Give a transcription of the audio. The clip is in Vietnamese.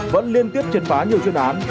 vẫn liên tiếp triển phá nhiều chuyên án